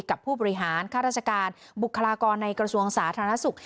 กับผู้บริหารค่าราชการบุคลากรในกระทรวงสาธารณสุข